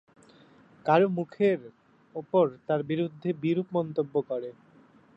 কারো মুখের ওপর তার বিরুদ্ধে বিরূপ মন্তব্য করে।